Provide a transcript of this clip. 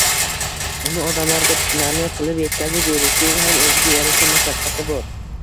uni odamlarga tushunarli qilib yetkazib berishning ham o‘ziga yarasha mashaqqati bor.